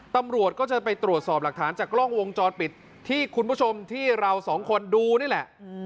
ตำรวจก็จะไปตรวจสอบหลักฐานจากกล้องวงจรปิดที่คุณผู้ชมที่เราสองคนดูนี่แหละ